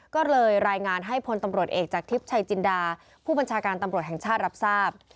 ก็เลยรายงานให้พลตำรวจเอกจากทิพย์ชัยจินดาผู้บัญชาการตำรวจแห่งชาติรับทราบ